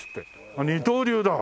あっ二刀流だ。